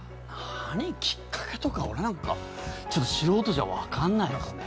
何きっかけとか俺なんかちょっと素人じゃわかんないよね。